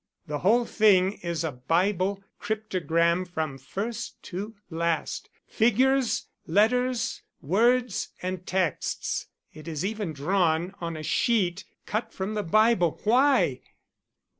"The whole thing is a Bible cryptogram from first to last: figures, letters, words, and texts. It is even drawn on a sheet cut from the Bible. Why?